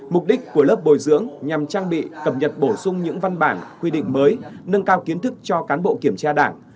mục đích của lớp bồi dưỡng nhằm trang bị cập nhật bổ sung những văn bản quy định mới nâng cao kiến thức cho cán bộ kiểm tra đảng